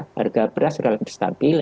harga beras relatif stabil